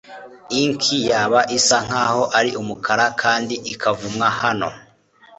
Ink yaba isa nkaho ari umukara kandi ikavumwa hano